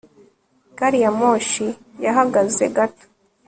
gari ya moshi yahagaze gato